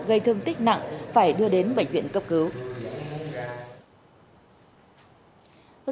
gây thương tích nặng phải đưa đến bệnh viện cấp cứu